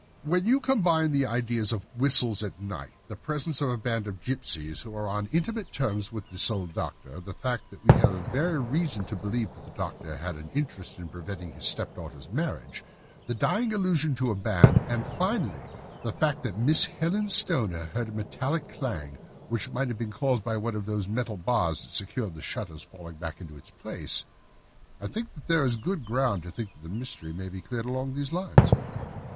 "When you combine the ideas of whistles at night, the presence of a band of gipsies who are on intimate terms with this old doctor, the fact that we have every reason to believe that the doctor has an interest in preventing his stepdaughter's marriage, the dying allusion to a band, and, finally, the fact that Miss Helen Stoner heard a metallic clang, which might have been caused by one of those metal bars that secured the shutters falling back into its place, I think that there is good ground to think that the mystery may be cleared along those lines."